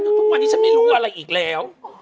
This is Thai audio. ทุกวันนี้ฉันไม่รู้อะไรอีกแล้ว